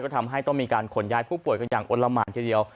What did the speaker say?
ทำให้ต้องมีการขนย้ายผู้ป่วยกันอย่างอ้นละหมานทีเดียว